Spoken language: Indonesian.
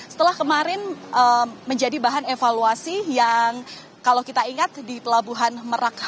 setelah kemarin menjadi bahan evaluasi yang kalau kita ingat di pelabuhan merak